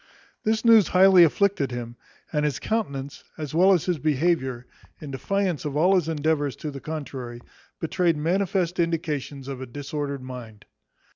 This news highly afflicted him, and his countenance, as well as his behaviour, in defiance of all his endeavours to the contrary, betrayed manifest indications of a disordered mind.